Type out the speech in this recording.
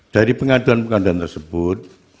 dari pengaduan pengaduan tersebut